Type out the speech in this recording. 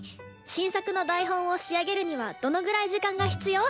新作の台本を仕上げるにはどのぐらい時間が必要？